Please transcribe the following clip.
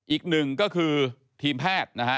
อีก๑ก็คือทีมแพทย์นะฮะ